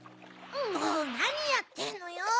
もうなにやってんのよ！